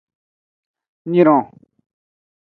Nyron.